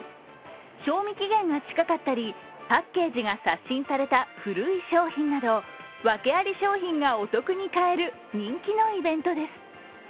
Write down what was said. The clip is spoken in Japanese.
賞味期限が近かったりパッケージが刷新された古い商品など訳あり商品がお得に買える人気のイベントです。